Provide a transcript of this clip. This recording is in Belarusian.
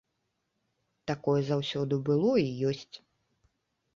Такое заўсёды было і ёсць.